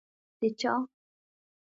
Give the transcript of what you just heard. ـ د چا؟!